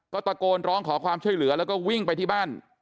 ก็ตะโกนร้องขอความช่วยเหลือแล้วก็วิ่งไปที่บ้าน